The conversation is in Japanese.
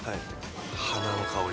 花の香り。